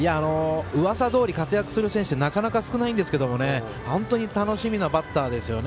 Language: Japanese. うわさどおり活躍する選手なかなか少ないんですが本当に楽しみなバッターですよね。